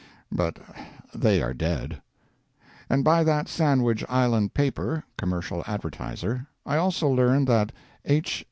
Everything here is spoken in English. But they were dead. And by that Sandwich Island paper ("Commercial Advertiser") I also learned that H.